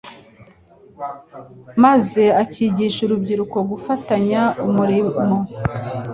maze ukigisha urubyiruko gufatanya umurimo,